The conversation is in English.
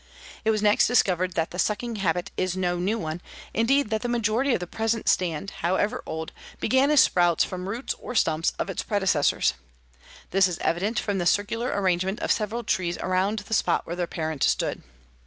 It was next discovered that the suckering habit is no new one, indeed that the majority of the present stand, however old, began as sprouts from roots or stumps of its predecessors. This is evident from the circular arrangement of several trees around the spot where their parent stood.